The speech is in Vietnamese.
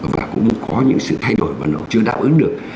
và cũng có những sự thay đổi mà nó chưa đảm ứng được